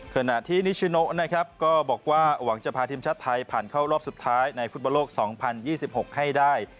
ขณะที่นิชิโนนะครับก็บอกว่าหวังจะพาทีมชาติไทยผ่านเข้ารอบสุดท้ายในฟุตบอลโลก๒๐๒๖ให้ได้